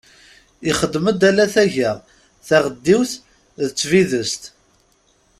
Ixeddem-d ala taga, taɣeddiwt d tbidest.